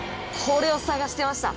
これを探してた？